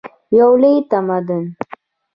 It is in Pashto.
یو لوی تمدن.